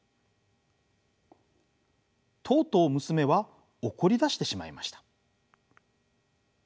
とうとう娘は怒りだしてしまいました。